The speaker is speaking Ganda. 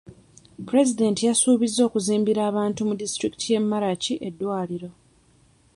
Pulezidenti yasuubiza okuzimbira abantu mu disitulikiti y'e Malachi eddwaliro.